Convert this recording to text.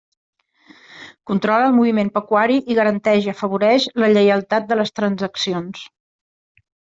Controla el moviment pecuari i garanteix i afavoreix la lleialtat de les transaccions.